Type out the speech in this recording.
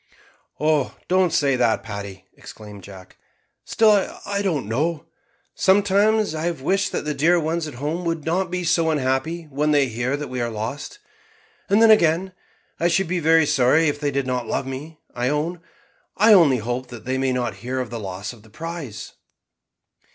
"Oh! don't say that, Paddy," exclaimed Jack; "still I don't know. Sometimes I have wished that the dear ones at home would not be so unhappy when they hear that we are lost; and then again I should be very sorry if they did not love me, I own. I only hope that they may not hear of the loss of the prize."